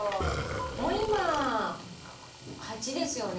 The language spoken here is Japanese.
もう今８ですよね。